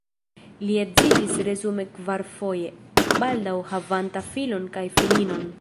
Li edziĝis resume kvarfoje, baldaŭe havanta filon kaj filinon.